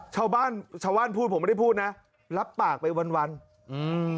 ชาวบ้านชาวบ้านพูดผมไม่ได้พูดนะรับปากไปวันวันอืม